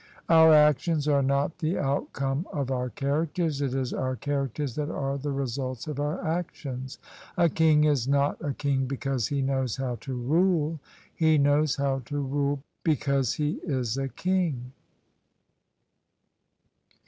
Our actions are not the outcome of our characters: it is our characters that are the result of our actions. A king is not a king because he knows how to rule: he knows how to rule because he is a king."